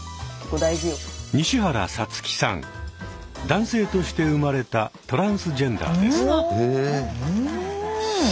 男性として生まれたトランスジェンダーです。